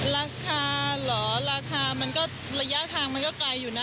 ราคาเหรอราคามันก็ระยะทางมันก็ไกลอยู่นะ